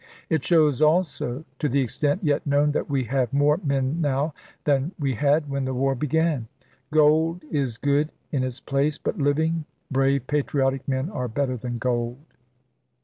It shows, also, to the extent yet known, that we have more men now than we had when the war began. Gold is good in its place ; but living, brave, patriotic men are better than gold.